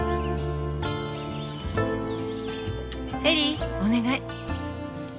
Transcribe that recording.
エリーお願い。